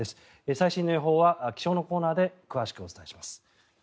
最新の予報は気象のコーナーで詳しくお伝えします。